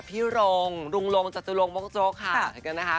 พี่โรงลุงลงจาสุโรงโมโกโจ๊กค่ะ